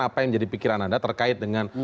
apa yang menjadi pikiran anda terkait dengan